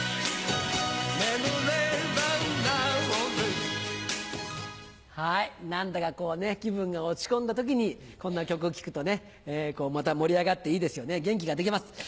眠ればなおる何だか気分が落ち込んだ時にこんな曲を聴くとまた盛り上がっていいですよね元気が出ます。